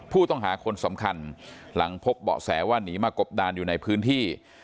ผู้ต้องหาคนสำคัญหลังพบเบาะแสว่าหนีมากบดานอยู่ในพื้นที่